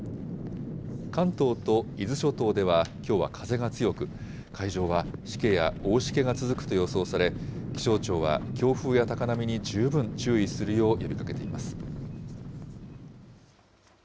関東と伊豆諸島ではきょうは風が強く、海上はしけや大しけが続くと予想され、気象庁は強風や高波に十分注意するよう呼びかけています。